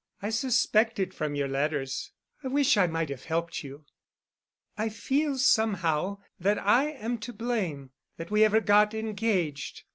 "I suspected from your letters. I wish I might have helped you. I feel somehow that I am to blame—that we ever got engaged.